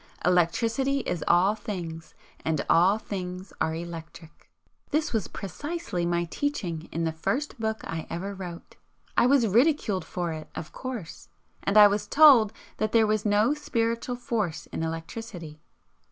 ELECTRICITY is all things, and all things are ELECTRIC." THIS WAS PRECISELY MY TEACHING IN THE FIRST BOOK I EVER WROTE. I was ridiculed for it, of course, and I was told that there was no 'spiritual' force in electricity.